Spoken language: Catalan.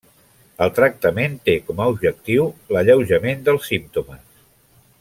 El tractament té com a objectiu l'alleujament dels símptomes.